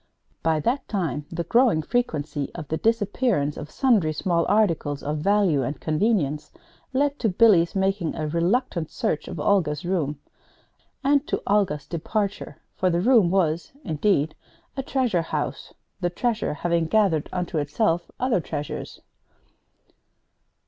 By that time the growing frequency of the disappearance of sundry small articles of value and convenience led to Billy's making a reluctant search of Olga's room and to Olga's departure; for the room was, indeed, a treasure house, the Treasure having gathered unto itself other treasures.